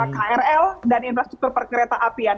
krl dan infrastruktur perkereta apian